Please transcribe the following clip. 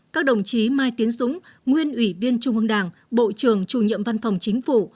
các đồng chí mai tiến dũng nguyên ủy viên trung ương đảng bộ trưởng chủ nhiệm văn phòng chính phủ